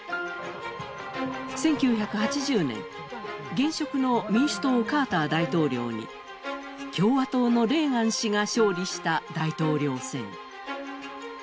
１９８０年、現職の民主党カーター大統領に共和党のレーガン氏が勝利した大統領選。